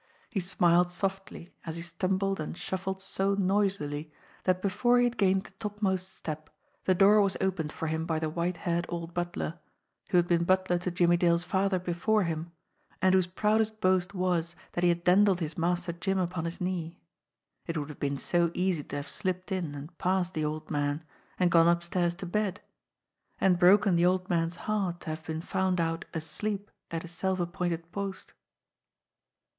He smiled softly as he stumbled and shuffled so noisily that before he had gained the topmost step the door was opened for him by the white haired old butler, who had been butler to Jimmie Dale's father before him, and whose proudest boast was that he had dandled his Master Jim upon his knee. It would have been so easy to have slipped in, and passed the old man, and gone upstairs to bed and broken the old man's heart to have been found out asleep at his self appointed post.